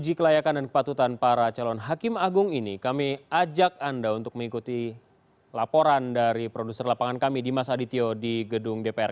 uji kelayakan dan kepatutan para calon hakim agung ini kami ajak anda untuk mengikuti laporan dari produser lapangan kami dimas adityo di gedung dpr